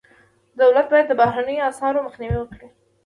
دولت باید د بهرنیو اسعارو مخنیوی وکړي.